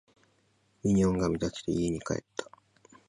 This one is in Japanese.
ミニオンが見たくて家に帰った